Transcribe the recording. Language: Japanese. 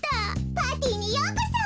パーティーにようこそ！